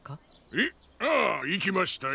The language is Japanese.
えっ？ああいきましたよ。